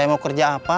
saya mau kerja apa